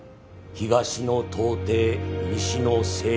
東の東帝西の西京。